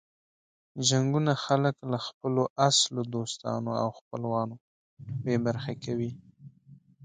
جنګونه خلک له خپلو اصلو دوستانو او خپلوانو بې برخې کوي.